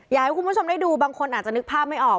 อยากให้คุณผู้ชมได้ดูบางคนอาจจะนึกภาพไม่ออก